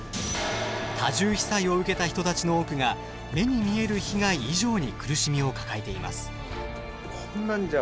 多重被災を受けた人たちの多くが目に見える被害以上に苦しみを抱えています。